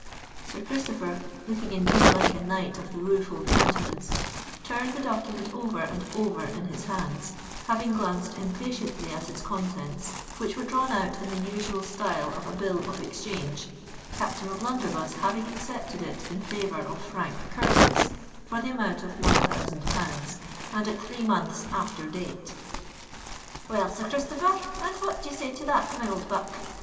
Sir Christopher—looking indeed like a knight of the rueful countenance—turned the document over and over in his hands, having glanced impatiently at its contents, which were drawn out in the usual style of a bill of exchange, Captain O'Blunderbuss having accepted it in favour of Frank Curtis, for the amount of One Thousand Pounds, and at three months after date. "Well, Sir Christopher, and what d'ye say to that, my old buck?"